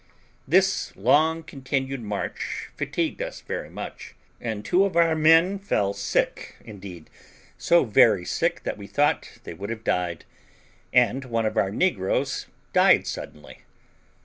This long continued march fatigued us very much, and two of our men fell sick, indeed, so very sick that we thought they would have died; and one of our negroes died suddenly.